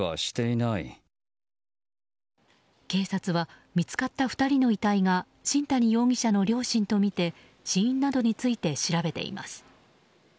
警察は見つかった２人の遺体が新谷容疑者の両親とみて死因などについて調べています。